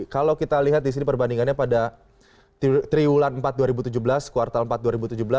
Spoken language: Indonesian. kalau kita lihat di sini perbandingannya pada triwulan empat dua ribu tujuh belas kuartal empat dua ribu tujuh belas